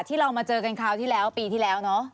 ที่เรามาเจอกันคราวที่แล้วปีที่แล้วเนอะ